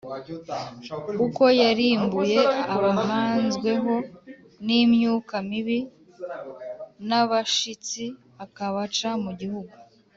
uko yarimbuye abahanzweho n’imyuka mibi n’abashitsi akabaca mu gihugu?